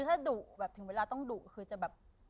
ถ้าดุแบบถึงเวลาต้องดุคือจะแบบ